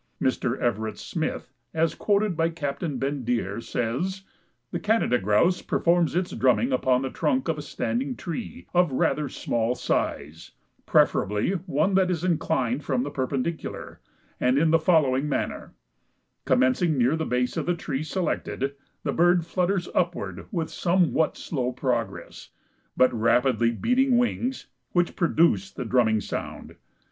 Mr. Everett Smith, as quoted by Captain Bendire, says, "The Canada Grouse performs its drumming upon the trunk of a standing tree of rather small size, preferably one that is inclined from the perpendicular, and in the following manner: Commencing near the base of the tree selected, the bird flutters upward with somewhat slow progress, but rapidly beating wings, which produce the drumming sound.